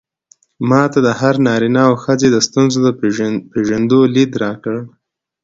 ما ته د هر نارينه او ښځې د ستونزو د پېژندو ليد راکړ.